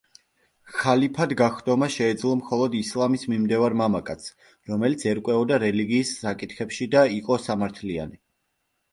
ხალიფად გახდომა შეეძლო მხოლოდ ისლამის მიმდევარ მამაკაცს, რომელიც ერკვეოდა რელიგიის საკითხებში და იყო სამართლიანი.